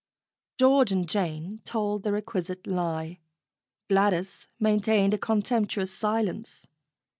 George and Jane told the requisite lie. Gladys maintained a contemptuous silence.